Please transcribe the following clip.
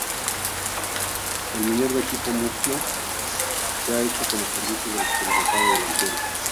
El Minerva, equipo murciano, se ha hecho con los Servicios del experimentado delantero.